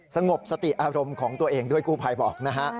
สงบสติอารมณ์ของตัวเองด้วยกู้ภัยบอกนะฮะ